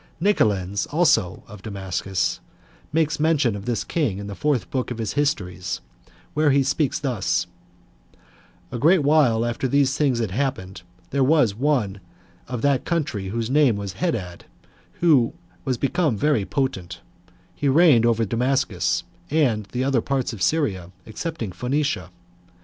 Nicelens also [of Damascus] makes mention of this king in the fourth book of his histories; where he speaks thus: "A great while after these things had happened, there was one of that country whose name was Hadad, who was become very potent; he reigned over Damascus, and, the other parts of Syria, excepting Phoenicia.